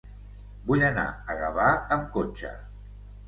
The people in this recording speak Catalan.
Vull anar a Gavà amb cotxe.